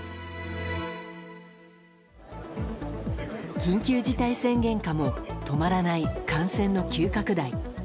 緊急事態宣言下も止まらない感染の急拡大。